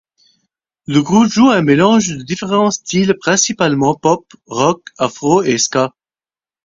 Le groupe joue un mélange de différents styles principalement pop rock, afro, et ska.